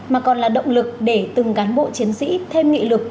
mà còn là động lực để từng cán bộ chiến sĩ thêm nghị lực